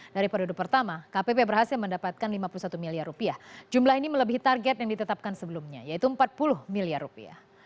dari periode pertama kpp berhasil mendapatkan lima puluh satu miliar rupiah jumlah ini melebihi target yang ditetapkan sebelumnya yaitu empat puluh miliar rupiah